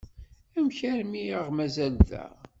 Amek armi i aɣ-mazal da?